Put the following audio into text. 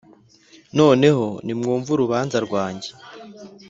Noneho nimwumve urubanza rwanjye